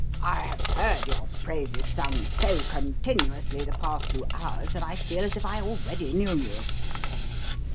"I have heard your praises sung so continuously the past two hours that I feel as if I already knew you."